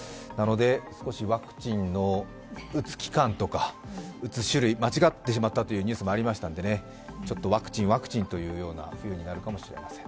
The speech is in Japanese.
少しワクチンの打つ期間とか種類、間違ってしまったというニュースもありますので、ワクチン、ワクチンというような冬になるかもしれません。